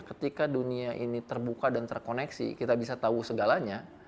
ketika dunia ini terbuka dan terkoneksi kita bisa tahu segalanya